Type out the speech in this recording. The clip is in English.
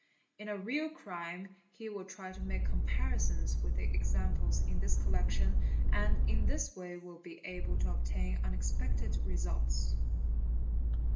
62 "a ? 490 FOOTPRINTS Ina real crime he will try to make comparisons with the examples in this . collection and in this way will be able to obtain unexpected results.